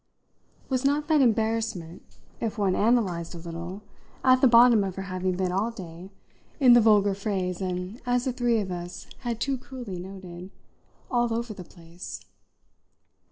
Was not that embarrassment, if one analysed a little, at the bottom of her having been all day, in the vulgar phrase and as the three of us had too cruelly noted, all over the place?